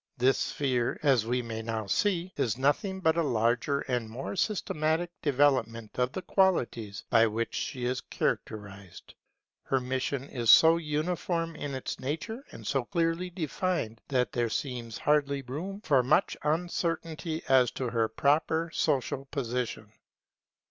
This sphere, as we may now see, is nothing but a larger and more systematic development of the qualities by which she is characterized. Her mission is so uniform in its nature and so clearly defined, that there seems hardly room for much uncertainty as to her proper social position.